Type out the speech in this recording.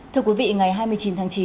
thưa quý vị ngày hai mươi chín tháng chín